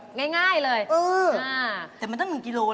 เอาของแดมมาชนของสวยอย่างงานตรงนี้ครับคุณแม่ตั๊ก